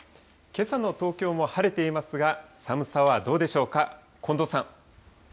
けさの東京は晴れていますが、寒さはどうでしょうか、近藤さん。